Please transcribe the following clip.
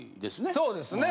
そうですね。